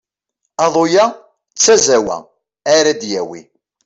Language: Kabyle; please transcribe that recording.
Aḍu-ya d tazawwa ara d-yawi.